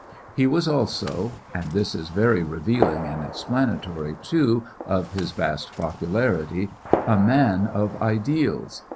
He was also and this is very revealing and explanatory, too, of his vast popularity a man of ideals.